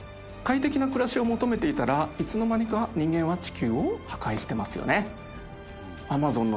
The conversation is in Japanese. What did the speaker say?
快適な暮らしを求めていたらいつの間にか人間は地球を破壊していますよね。